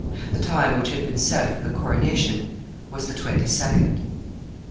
The time which had been set for the coronation was the twenty second.